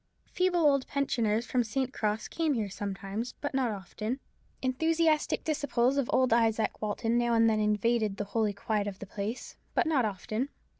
Feeble old pensioners from St. Cross came here sometimes, but not often. Enthusiastic disciples of old Izaak Walton now and then invaded the holy quiet of the place: but not often.